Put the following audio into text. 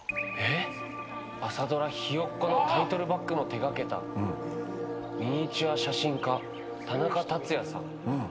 朝ドラ「ひよっこ」タイトルバックも手掛けたミニチュア写真家田中達也さん。